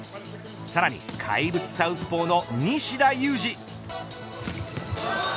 さらに怪物サウスポーの西田有志。